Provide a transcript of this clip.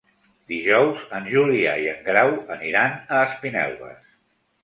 Dijous en Julià i en Grau aniran a Espinelves.